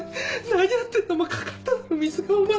何やってんだ？